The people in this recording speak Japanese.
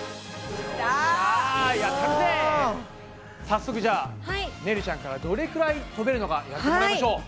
早速じゃあねるちゃんからどれくらいとべるのかやってもらいましょう。